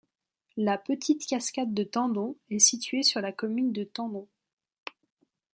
La Petite Cascade de Tendon est située sur la commune de Tendon.